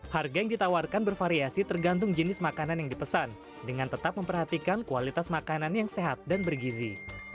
harga yang ditawarkan bervariasi tergantung jenis makanan yang dipesan dengan tetap memperhatikan kualitas makanan yang sehat dan bergizi